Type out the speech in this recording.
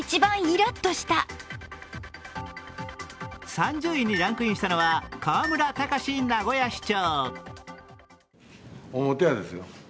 ３０位にランクインしたのは河村たかし名古屋市長。